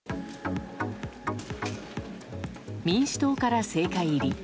民主党から政界入り。